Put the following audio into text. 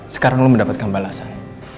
sekarang lo mendapatkan balasan